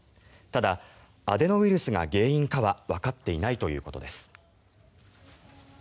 ただ、アデノウイルスが原因かはわかっていないということです。